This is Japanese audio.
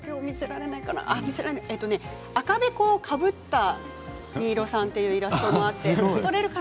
赤べこをかぶった新納さんというイラストもきています。